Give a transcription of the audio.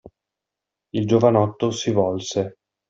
Il giovanotto si volse.